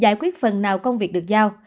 giải quyết phần nào công việc được giao